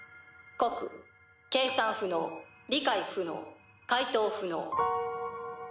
告計算不能理解不能回答不能。